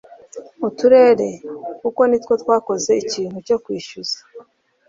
uturere kuko nitwo twakoze ikintu cyo kwishyuza